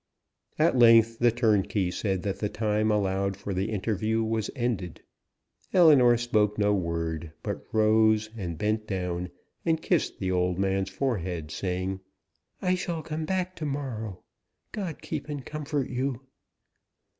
At length the turnkey said that the time allowed for the interview was ended. Ellinor spoke no word; but rose, and bent down and kissed the old man's forehead, saying "I shall come back to morrow. God keep and comfort you!"